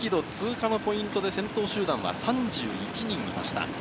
１０ｋｍ通過のポイントで先頭集団は３１人いました。